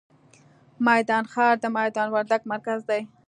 میدان ښار، د میدان وردګ مرکز دی.